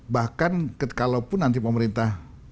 bahkan kalaupun nanti pemerintah